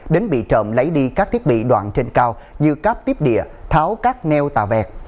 đến bị trộm lấy đi các thiết bị đoạn trên cao như cáp tiếp địa tháo các neo tà vẹt